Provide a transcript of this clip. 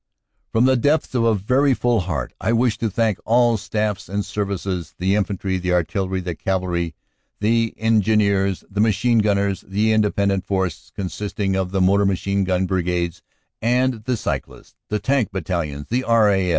"From the depths of a very full heart I wish to thank all Staffs and Services the Infantry, the Artillery, the Cavalry, the Engineers, the Machine Gunners, the Independent Force (consisting of the Motor Machine Gun Brigades and the Cyclists), the Tank Battalions, the R.A.